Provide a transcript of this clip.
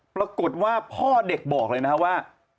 ปรากฏว่าพ่อเด็กบอกเลยนะครับว่า